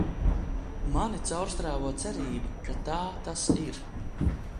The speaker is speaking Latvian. Mani caurstrāvo cerība, ka tā tas ir.